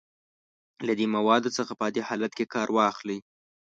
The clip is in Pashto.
له دې موادو څخه په عادي حالت کې کار واخلئ.